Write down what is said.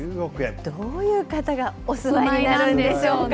どういう方がお住まいになるんでしょうかね。